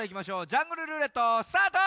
ジャングルるーれっとスタート！